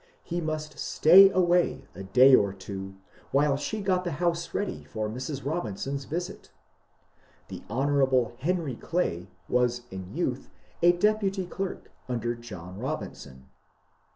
He must stay away a day or two while she got the house ready for Mrs. Robin son's visit I The Hon. Henry Clay was in youth a deputy clerk under John Robinson.